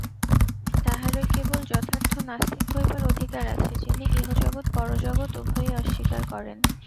তাঁহারই কেবল যথার্থ নাস্তিক হইবার অধিকার আছে, যিনি ইহজগৎ পরজগৎ উভয়ই অস্বীকার করেন।